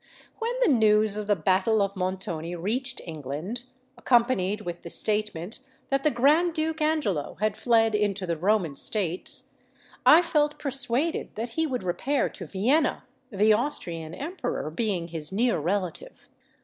When the news of the battle of Montoni reached England, accompanied with the statement that the Grand Duke Angelo had fled into the Roman States, I felt persuaded that he would repair to Vienna, the Austrian Emperor being his near relative.